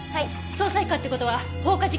捜査一課って事は放火事件ですか？